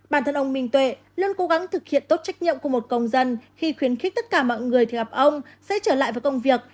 bản thân ông minh tuệ luôn cố gắng thực hiện tốt trách nhiệm của một công dân khi khuyến khích tất cả mọi người thì gặp ông sẽ trở lại với công việc